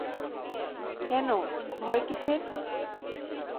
কেন, ভয় কিসের?